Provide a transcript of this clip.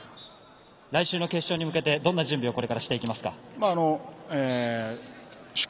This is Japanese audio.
来週の決勝に向けてどんな準備をしていきますか。